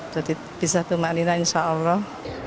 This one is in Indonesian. jadi bisa tumak lina insya allah